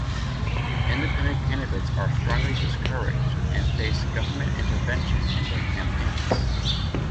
Independent candidates are strongly discouraged and face government intervention in their campaigns.